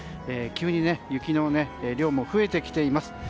急に雪の量も増えてきています。